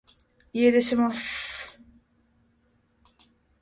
家出します